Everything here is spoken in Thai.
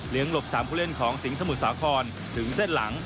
หลบ๓ผู้เล่นของสิงหมุทรสาครถึงเส้นหลัง